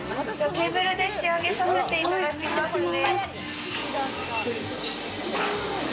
テーブルで仕上げさせていただきますね。